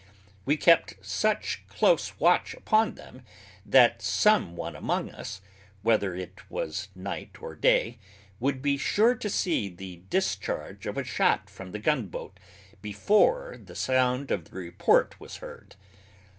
We kept such close watch upon them that some one among us, whether it was night or day, would be sure to see the discharge of a shot from the gun boat before the sound of the report was heard.